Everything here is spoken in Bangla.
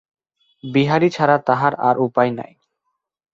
বিহারী ছাড়া তাহার আর উপায় নাই।